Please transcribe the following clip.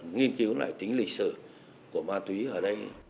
nghiên cứu lại tính lịch sử của ma túy ở đây